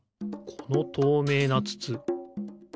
このとうめいなつつ。